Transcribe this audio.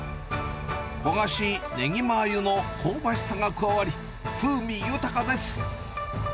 焦がしネギマー油の香ばしさが加わり、風味豊かです。